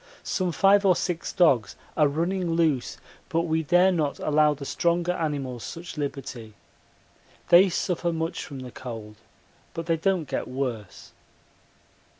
Some five or six dogs are running loose, but we dare not allow the stronger animals such liberty. They suffer much from the cold, but they don't get worse.